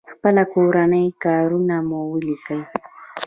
خپل کورني کارونه مو وليکئ!